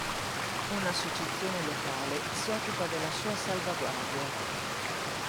Un'associazione locale si occupa della sua salvaguardia.